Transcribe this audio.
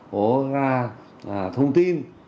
hố ga thông tin